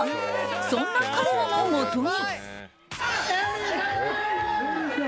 そんな彼らのもとに。